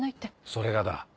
それがだ